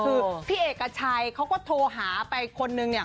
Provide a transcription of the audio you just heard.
คือพี่เอกชัยเขาก็โทรหาไปคนนึงเนี่ย